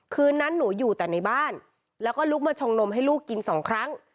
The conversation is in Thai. คืนนั้นหนูอยู่แต่ในบ้านแล้วก็ลุกมาชงนมให้ลูกกินสองครั้ง